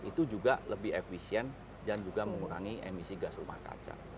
itu juga lebih efisien dan juga mengurangi emisi gas rumah kaca